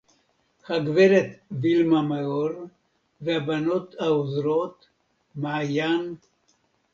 הגברת וילמה מאור, והבנות העוזרות, מעיין